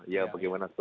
ya bagaimana sosial